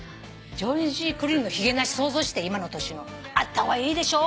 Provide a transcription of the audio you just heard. ジョージ・クルーニーのひげなし想像して今の年の。あった方がいいでしょ？